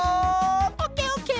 オッケーオッケー！